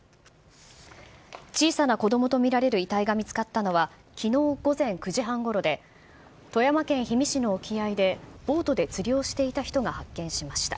小さな子どもと見られる遺体が見つかったのは、きのう午前９時半ごろで、富山県氷見市の沖合で、ボートで釣りをしていた人が発見しました。